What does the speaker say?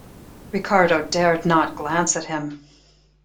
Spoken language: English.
Ricardo dared not glance at him.